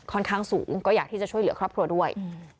ค่อนข้างสูงก็อยากที่จะช่วยเหลือครอบครัวด้วย